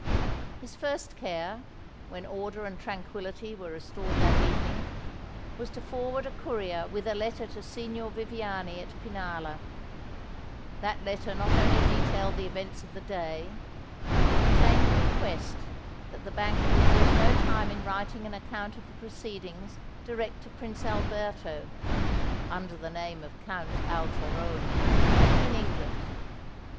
His first care, when order and tranquillity were restored that evening, was to forward a courier with a letter to Signor Viviani at Pinalla. That letter not only detailed the events of the day, but contained a request that the banker would lose no time in writing an account of the proceedings direct to Prince Alberto (under the name of Count Alteroni) in England.